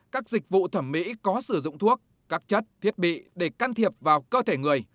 các dịch vụ thẩm mỹ có sử dụng thuốc các chất thiết bị để can thiệp vào cơ thể người